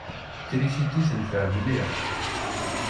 Trisiti tenfeɛ mliḥ.